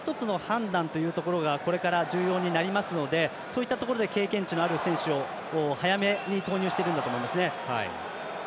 一つ一つの判断というところがこれから重要になりますのでそういったところで経験値のある選手を、早めに投入してくるんだと思います。